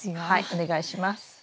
はいお願いします。